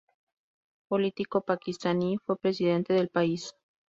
Político pakistaní, fue Presidente del país.